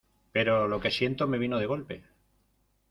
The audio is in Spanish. pero lo que siento me vino de golpe